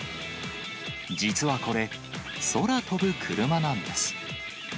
実はこれ、空飛ぶクルマなんです。